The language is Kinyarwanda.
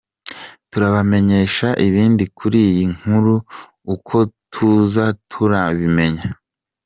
Turabamenyesha ibindi kuri iyi nkuru uko tuza turabimenya.